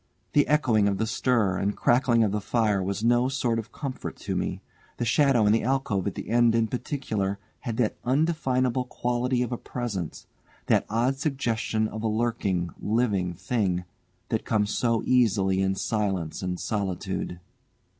The echoing of the stir and crackling of the fire was no sort of comfort to me. The shadow in the alcove at the end in particular, had that undefinable quality of a presence, that odd suggestion of a lurking, living thing, that comes so easily in silence and solitude.